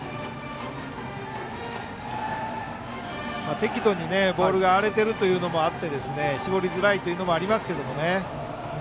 適度にボールが荒れているというのもあって絞りづらいというのもありますが。